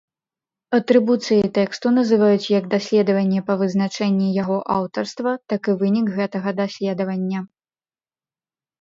Атрыбуцыяй тэксту называюць як даследаванне па вызначэнні яго аўтарства, так і вынік гэтага даследавання.